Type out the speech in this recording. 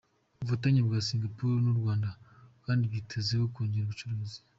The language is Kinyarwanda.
Ubufatanye bwa Singapore n’u Rwanda kandi bwitezweho kongera ubucuruzi.